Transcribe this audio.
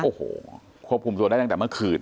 โอ้โหควบคุมตัวได้ตั้งแต่เมื่อคืน